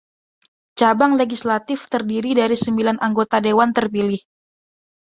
Cabang legislatif terdiri dari sembilan anggota dewan terpilih.